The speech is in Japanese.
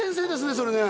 それね